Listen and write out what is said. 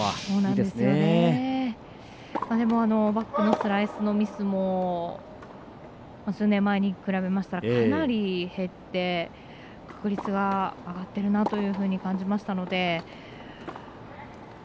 でもバックのスライスのミスも数年前に比べましたらかなり減って確率は上がってるなというふうにかなり成熟してきたと。